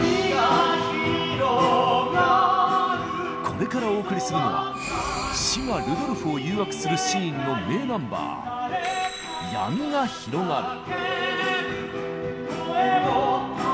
これからお送りするのは「死」がルドルフを誘惑するシーンの名ナンバー「闇が広がる」。